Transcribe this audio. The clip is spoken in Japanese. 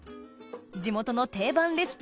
地元の定番レシピ